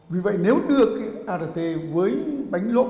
vì vậy nếu đưa cái art với bánh lỗ